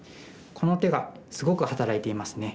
この手がすごく働いていますね。